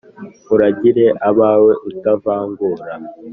Uragire abawe utavangura